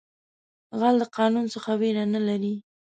غل د قانون څخه ویره نه لري